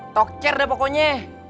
talk chair dah pokoknya